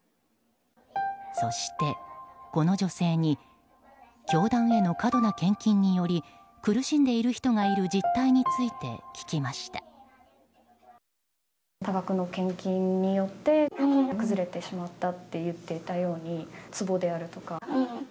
そして、この女性に教団への過度な献金により苦しんでいる人がいる実態について聞きました。